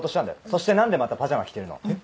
そして何でまたパジャマ着てるの？